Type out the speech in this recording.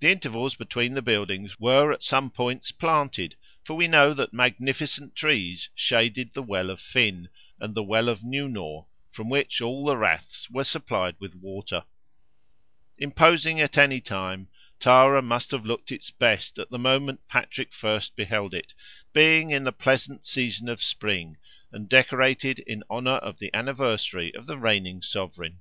The intervals between the buildings were at some points planted, for we know that magnificent trees shaded the well of Finn, and the well of Newnaw, from which all the raths were supplied with water. Imposing at any time, Tara must have looked its best at the moment Patrick first beheld it, being in the pleasant season of spring, and decorated in honour of the anniversary of the reigning sovereign.